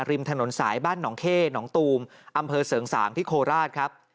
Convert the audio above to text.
ริมถนนสายบ้านหนองเข้หนองตูมอำเภอเสริงสางที่โคราชครับ